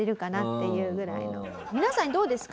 皆さんどうですか？